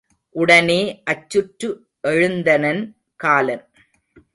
உடனே அச்சுற்று எழுந்தனன் காலன்.